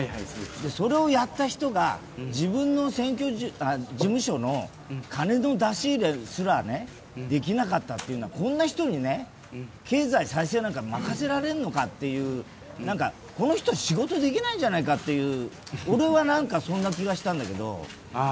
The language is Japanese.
それをやった人が自分の事務所の金の出し入れすらできなかったっていうのはこんな人に経済再生なんか任せられるのかっていうこの人仕事できないんじゃないかっていう、俺はそんな気がしたんですけど。